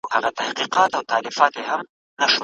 بشریت تل د یو عادل نظام په لټه کي دی.